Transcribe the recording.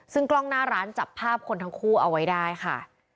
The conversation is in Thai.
ซึ่งกล้องหน้าร้านจับภาพคนทั้งคู่เอาไว้ได้ค่ะ